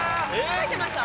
・書いてました？